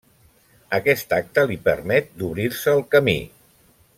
Aquest acte li permet d'obrir-se el camí.